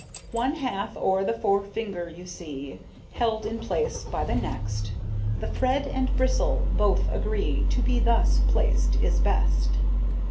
One half over the forefinger you see, Held in place by the next, The thread and bristle both agree To be thus placed is best.